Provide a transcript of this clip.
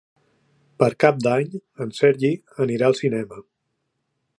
Per Cap d'Any en Sergi anirà al cinema.